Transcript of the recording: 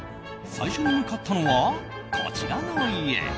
最初に向かったのはこちらの家。